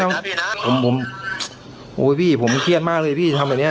โอ้โหพี่ผมเกรียดมากเลยพี่ทำเนี้ย